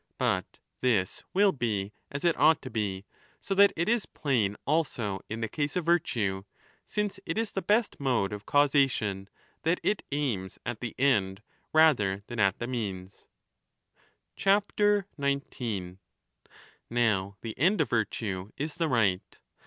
But this will be as it ought to be. So that it is 25 plain also in the case of virtue, since it is the best mode of causation, that it aims at the end rather than at the means. 19 Now the end of virtue is the right.